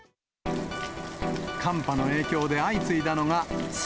寒波の影響で相次いだのが水